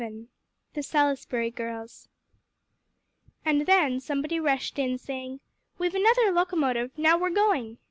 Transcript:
VII THE SALISBURY GIRLS And then somebody rushed in, saying, "We've another locomotive; now we're going!"